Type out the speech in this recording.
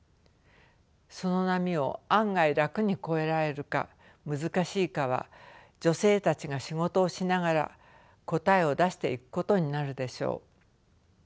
その波を案外楽に越えられるか難しいかは女性たちが仕事をしながら答えを出していくことになるでしょう。